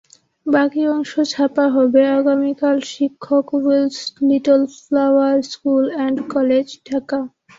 বাকি অংশ ছাপা হবে আগামীকালশিক্ষকউইলস little flower school and college, Dhaka